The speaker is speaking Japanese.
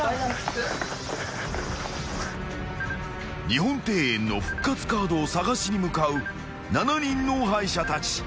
［日本庭園の復活カードを探しに向かう７人の敗者たち］